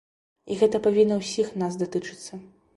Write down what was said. І гэта павінна ўсіх нас датычыцца.